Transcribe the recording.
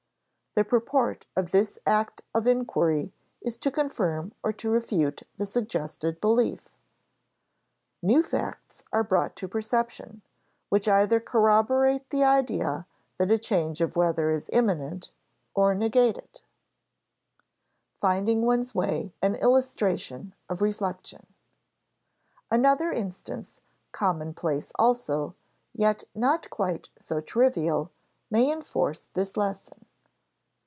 The purport of this act of inquiry is to confirm or to refute the suggested belief. New facts are brought to perception, which either corroborate the idea that a change of weather is imminent, or negate it. [Sidenote: Finding one's way an illustration of reflection] Another instance, commonplace also, yet not quite so trivial, may enforce this lesson.